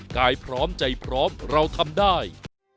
กายพร้อมใจพร้อมเราทำได้